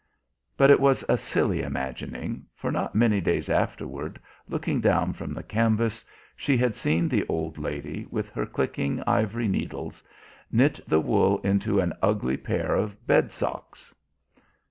But it was a silly imagining, for not many days afterward, looking down from the canvas, she had seen the old lady, with her clicking ivory needles, knit the wool into an ugly pair of bed socks.